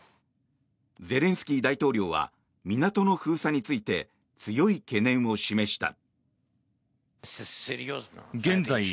ゼレンスキー大統領は港の封鎖について強い懸念を示した。